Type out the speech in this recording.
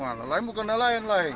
nelayan bukan nelayan lain